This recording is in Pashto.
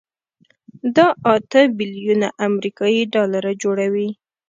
دا اته بيلیونه امریکایي ډالره جوړوي.